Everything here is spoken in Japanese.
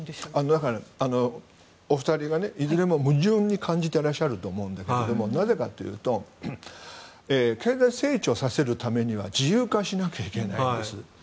だから、お二人がいずれも矛盾に感じてらっしゃると思うんだけどなぜかというと経済成長させるためには自由化しなきゃいけないんです。